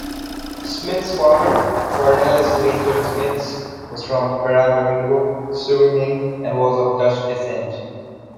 Smits's father, Cornelis Leendert Smits, was from Paramaribo, Suriname, and was of Dutch descent.